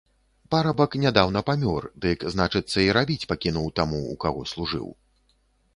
Парабак нядаўна памёр, дык, значыцца, і рабіць пакінуў таму, у каго служыў.